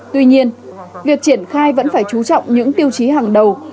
tuy nhiên việc triển khai vẫn phải chú trọng những tiêu chí hàng đầu